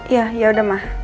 iya yaudah mah